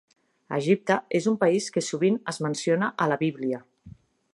Egipte és un país que sovint es menciona a la Bíblia.